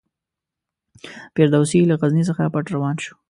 فردوسي له غزني څخه پټ روان شو.